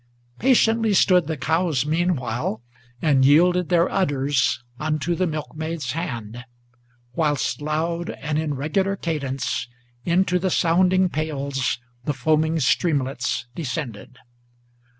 Patiently stood the cows meanwhile, and yielded their udders Unto the milkmaid's hand; whilst loud and in regular cadence Into the sounding pails the foaming streamlets descended.